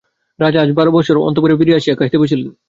রাজা আজ বারো বৎসর পরে অন্তঃপুরে ফিরিয়া আসিয়া খাইতে বসিলেন।